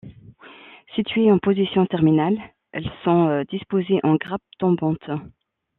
Situées en position terminale, elles sont disposées en grappes tombantes.